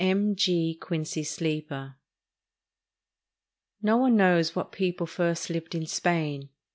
M. G. QUINCY SLEEPER No one knows what people first lived in Spain.